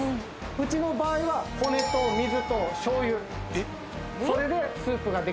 うちの場合は骨と水と醤油それでスープができてます。